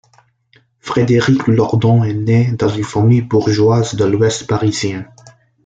Frédéric Lordon est né dans une famille bourgeoise de l'Ouest parisien.